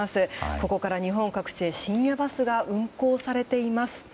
ここから日本各地へ深夜バスが運行されています。